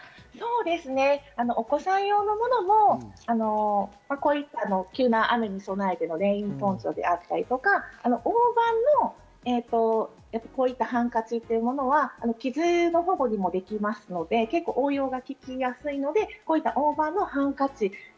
お子さん用のものも急な雨に備えてのレインポンチョであったりとか、大判のこういったハンカチというものは傷の保護にもできますので、応用が利きやすいので、大判のハンカチ。